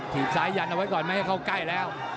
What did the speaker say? จุดสายยันเอาไว้ก่อนเมื่อกี้เขาใกล้แล้ว